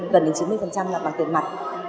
phải gần đến chín mươi là bằng tiền mặt